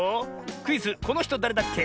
クイズ「このひとだれだっけ？」